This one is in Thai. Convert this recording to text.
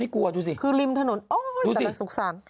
ไม่กลัวดูสิดูสิคือริมถนนโอ้ยแต่ละสุขสั่น